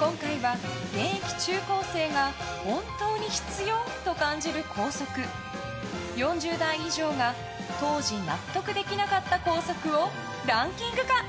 今回は現役中高生が本当に必要？と感じる校則４０代以上が当時、納得できなかった校則をランキング化。